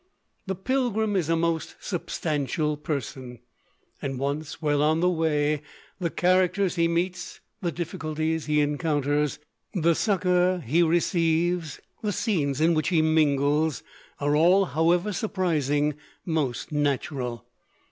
The Pilgrim is a most substantial person, and once well on the way, the characters he meets, the difficulties he encounters, the succor he receives, the scenes in which he mingles, are all, however surprising, most natural.